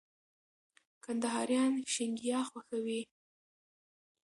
کندهاريان شينګياه خوښوي